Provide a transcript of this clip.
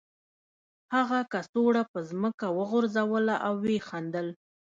هغه کڅوړه په ځمکه وغورځوله او ویې خندل